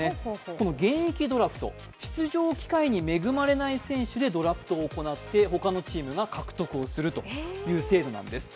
この現役ドラフト、出場機会に恵まれない選手にドラフトを行って他のチームが獲得をする制度なんです。